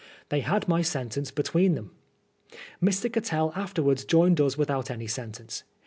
They had my sentence between them. Mr. Cattell afterwards joined us without any sentence.